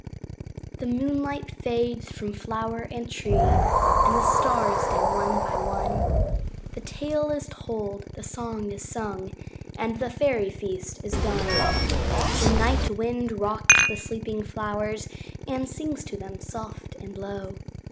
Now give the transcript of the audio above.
The moonlight fades from flower and tree, And the stars dim one by one; The tale is told, the song is sung, And the Fairy feast is done. The night wind rocks the sleeping flowers, And sings to them, soft and low.